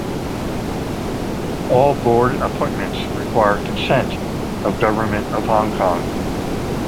All board appointments require consent of Government of Hong Kong.